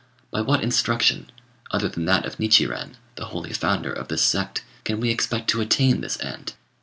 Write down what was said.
By what instruction, other than that of Nichiren, the holy founder of this sect, can we expect to attain this end?